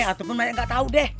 ya ataupun banyak gak tau deh